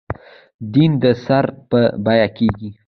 دیدن د سر په بیعه کېږي.